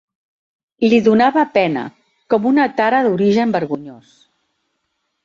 ...li donava pena com una tara d'origen vergonyós.